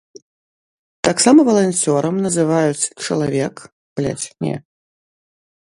Таксама валанцёрам называюць чалавек, які добраахвотна займаецца бязвыплатнай карыснай грамадскай дзейнасцю.